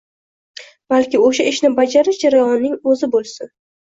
balki o’sha ishni bajarish jarayonining o’zi bo’lsin